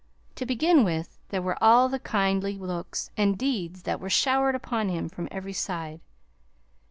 To begin with, there were all the kindly looks and deeds that were showered upon him from every side.